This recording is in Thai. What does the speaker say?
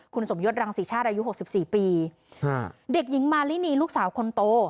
คุณสมยศรังศรีชาติอายุหกสิบสี่ปีเด็กหญิงมารินีลูกสาวคนโต